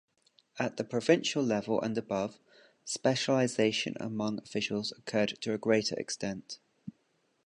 At the provincial level and above, specialisation among officials occurred to a greater extent.